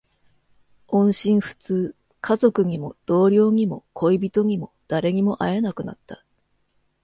音信不通。家族にも、同僚にも、恋人にも、誰にも会えなくなった。